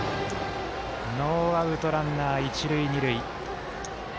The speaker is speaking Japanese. ノーアウト、ランナー、一塁二塁。